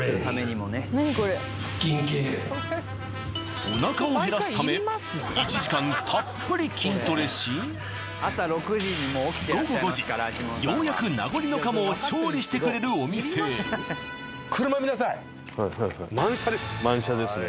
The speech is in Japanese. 腹筋系おなかを減らすため１時間たっぷり筋トレし午後５時からようやく名残の鴨を調理してくれるお店へ満車ですね